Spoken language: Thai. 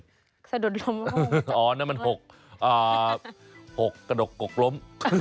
สะดดล้มอ๋อนั่นมันหกอ่าหกกระดกกกล้ม